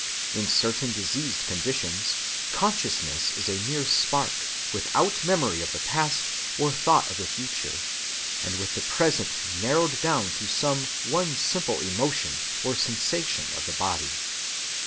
In certain diseased conditions consciousness is a mere spark, without memory of the past or thought of the future, and with the present narrowed down to some one simple emotion or sensation of the body.